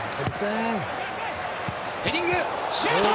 ヘディングシュート！